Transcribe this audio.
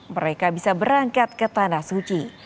mereka bisa berangkat ke tanah suci